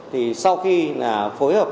thì sau khi phối hợp